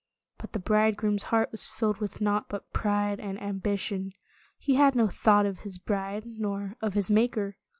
But the bridegroom's heart was filled with naught but pride and ambition. He had no thought of his bride nor of his Maker.